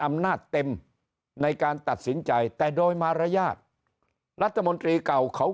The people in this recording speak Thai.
อำนาจเต็มในการตัดสินใจแต่โดยมารยาทรัฐมนตรีเก่าเขา